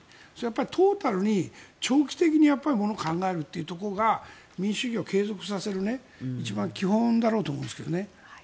トータルに長期的にものを考えるというところが民主主義を継続させる一番基本だろうと思いますけどね。